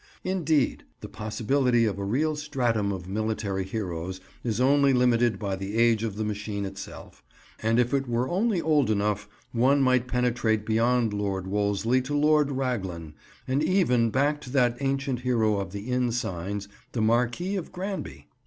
Indeed, the possibility of a real stratum of military heroes is only limited by the age of the machine itself; and if it were only old enough one might penetrate beyond Lord Wolseley to Lord Raglan, and even back to that ancient hero of the inn signs, the Marquis of Granby.